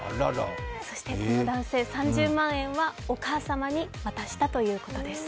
そして、この男性３０万円はお母さんに渡したということです。